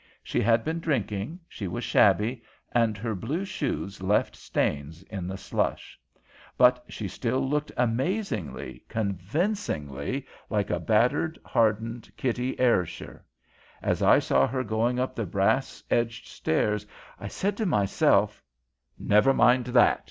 She had been drinking, she was shabby, and her blue shoes left stains in the slush. But she still looked amazingly, convincingly like a battered, hardened Kitty Ayrshire. As I saw her going up the brass edged stairs, I said to myself " "Never mind that."